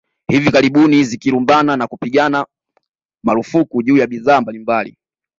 Hivi karibuni zikilumbana na kupigana marufuku juu ya bidhaa mbalimbali